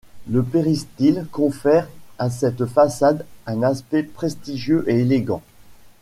Le péristyle confère à cette façade un aspect prestigieux et élégant.